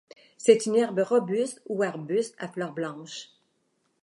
C'est une herbe robuste – ou arbuste – à fleurs blanches.